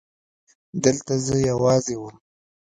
دلته زه يوازې وم.